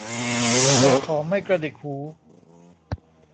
ก ข ไม่กระดิกหู